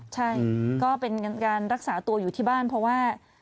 ใช่ก็เป็นการรักษาตัวอยู่ที่บ้านเพราะว่า